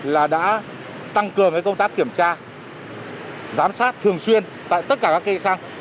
là đã tăng cường công tác kiểm tra giám sát thường xuyên tại tất cả các cây xăng